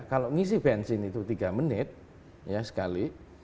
kalau ngisi bensin itu tiga menit ya sekali